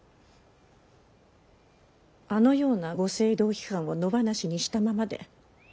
あのようなご政道批判を野放しにしたままで。